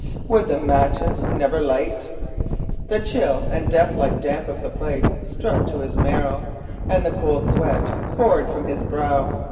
Would the matches never light? The chill and death like damp of the place struck to his marrow and the cold sweat poured from his brow.